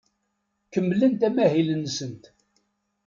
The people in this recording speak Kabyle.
Kemmlent amahil-nsent.